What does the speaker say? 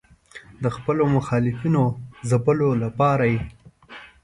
د خپلو مخالفینو ځپلو لپاره یې.